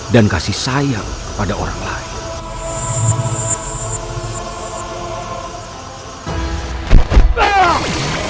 dan kasih sayang kepada orang lain